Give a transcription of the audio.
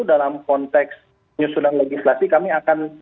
dalam konteks nyusunan legislasi kami akan